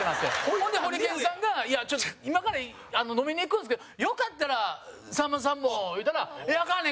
ほんで、ホリケンさんが「今から飲みに行くんですけどよかったら、さんまさんも」言うたら「いや、アカンねん。